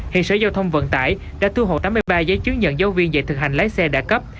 hiện sở giao thông vận tải đã thu hộ tám mươi ba giấy chứng nhận giáo viên dạy thực hành lái xe đã cấp